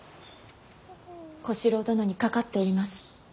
小四郎殿にかかっております。